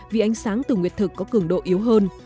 vì ánh sáng từ nguyệt thực có cường độ yếu hơn